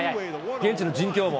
現地の実況も。